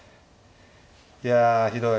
いやひどい。